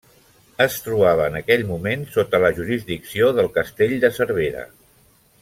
Es trobava en aquell moment sota la jurisdicció del castell de Cervera.